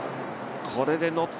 これでノ